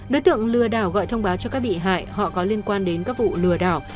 đối tượng lừa đảo gọi thông báo cho các bị hại họ có liên quan đến các vụ lừa đảo